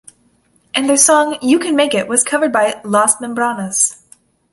And their song, "You Can Make It" was covered by Las Membranas.